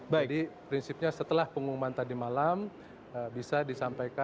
jadi prinsipnya setelah pengumuman tadi malam bisa disampaikan